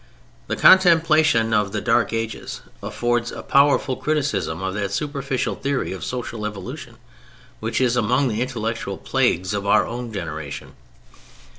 The contemplation of the Dark Ages affords a powerful criticism of that superficial theory of social evolution which is among the intellectual plagues of our own generation.